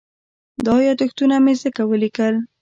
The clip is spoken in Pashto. دا یادښتونه مې ځکه ولیکل.